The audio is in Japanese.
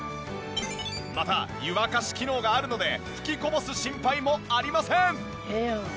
また湯沸かし機能があるので噴きこぼす心配もありません。